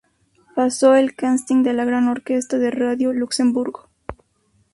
Pasó el casting de la Gran Orquesta de Radio-Luxembourg.